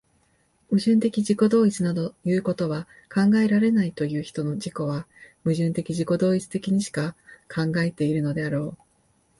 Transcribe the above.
矛盾的自己同一などいうことは考えられないという人の自己は、矛盾的自己同一的にしか考えているのであろう。